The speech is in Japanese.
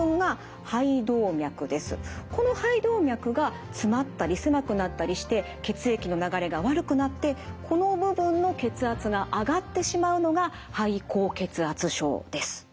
この肺動脈が詰まったり狭くなったりして血液の流れが悪くなってこの部分の血圧が上がってしまうのが肺高血圧症です。